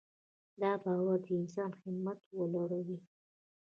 دا باور د انسان همت ورلوړوي.